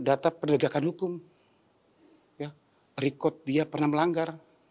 ada pendidikan hukum record dia pernah melanggar